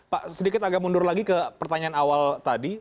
pak sedikit agak mundur lagi ke pertanyaan awal tadi